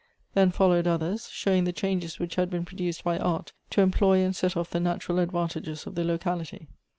Then followed others, showing the changes which had been produced by art, to employ and set off the natural advantages of the locality.